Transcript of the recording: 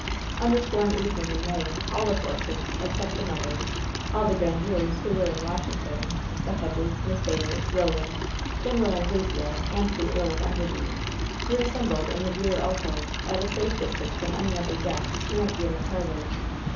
On this warm evening in May all the Forces, except the mother, all the Grandieres who were in Washington, the Hedges, Miss Bayard, Eoland, Gen. Anglesea and the Earl of Enderby, were assembled in the rear alcove, at a safe distance from any other guests who might be in the parlor.